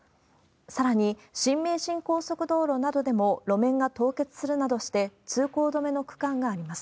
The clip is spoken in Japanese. さらに、新名神高速道路などでも路面が凍結するなどして、通行止めの区間があります。